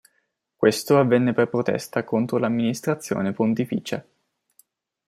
Questo avvenne per protesta contro l'amministrazione pontificia.